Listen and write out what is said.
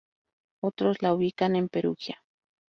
Otros la ubican en Perugia.